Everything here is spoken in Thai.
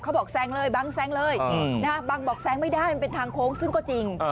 บอกแซงเลยบังแซงเลยบังบอกแซงไม่ได้มันเป็นทางโค้งซึ่งก็จริง